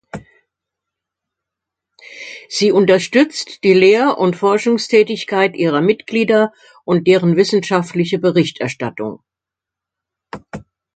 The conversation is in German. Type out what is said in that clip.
Sie unterstützt die Lehr- und Forschungstätigkeit ihrer Mitglieder und deren wissenschaftliche Berichterstattung.